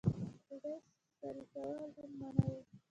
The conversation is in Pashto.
ډوډۍ شریکول هم منع وو.